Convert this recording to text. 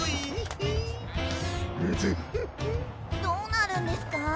どうなるんですか？